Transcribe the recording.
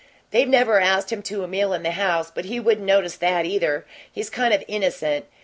They've never asked him to a meal in the house, but he wouldn't notice that, either he's kind of innocent.